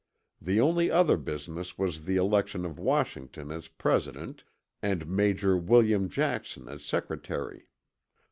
The only other business was the election of Washington as President and Major William Jackson as Secretary.